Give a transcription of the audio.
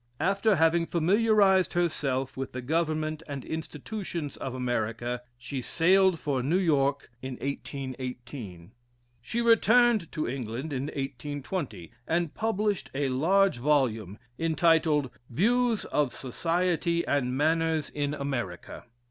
After having familiarised herself with the government and institutions of America, she sailed for New York 1818. She returned to England in 1820, and published a large volume, entitled "Views of Society and Manners in America."